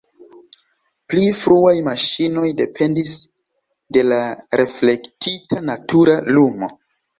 Pli fruaj maŝinoj dependis de la reflektita natura lumo.